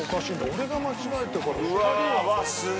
俺が間違えたから２人は。